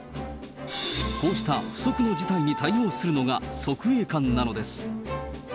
こうした不測の事態に対応するのが、側衛官なのです。